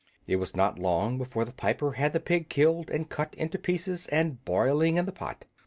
It was not long before the piper had the pig killed and cut into pieces and boiling in the pot.